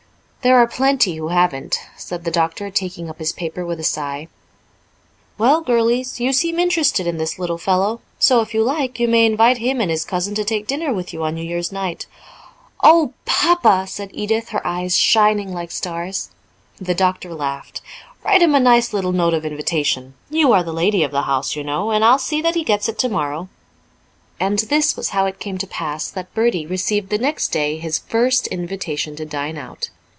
"There are plenty who haven't," said the doctor, taking up his paper with a sigh. "Well, girlies, you seem interested in this little fellow so, if you like, you may invite him and his cousin to take dinner with you on New Year's night." "Oh, Papa!" said Edith, her eyes shining like stars. The doctor laughed. "Write him a nice little note of invitation you are the lady of the house, you know and I'll see that he gets it tomorrow." And this was how it came to pass that Bertie received the next day his first invitation to dine out.